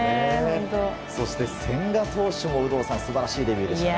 そして千賀投手も、有働さん素晴らしいデビューでしたね。